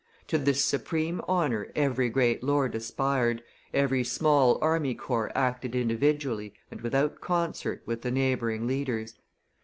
To this supreme honor every great lord aspired, every small army corps acted individually and without concert with the neighboring leaders.